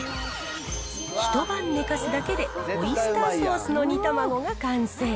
一晩寝かすだけで、オイスターソースの煮卵が完成。